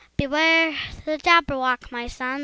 "Beware the Jabberwock, my son!